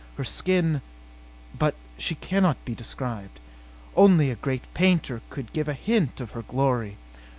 Her skin But she cannot be described. Only a great painter could give a hint of her glory.